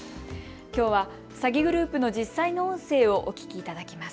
きょうは詐欺グループの実際の音声をお聞きいただきます。